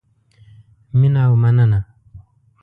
مینه او مننه